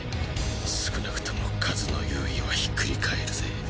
少なくとも数の優位はひっくり返るぜ。